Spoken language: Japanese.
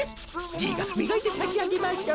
じいがみがいてさしあげましょう。